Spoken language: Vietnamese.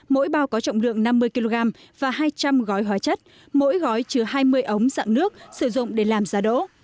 mỗi bao có trọng lượng năm mươi kg và hai trăm linh gói hóa chất mỗi gói chứa hai mươi ống dạng nước sử dụng để làm giá đỗ